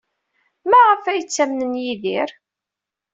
Maɣef ay ttamnen Yidir?